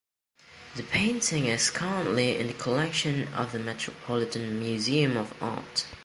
The painting is currently in the collection of the Metropolitan Museum of Art.